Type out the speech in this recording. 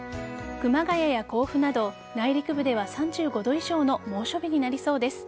熊谷や甲府など内陸部では３５度以上の猛暑日になりそうです。